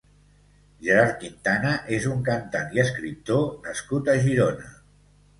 Gerard Quintana és un cantant i escriptor nascut a Girona.